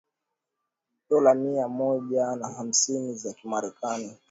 dola mia moja na hamsini za kimarekani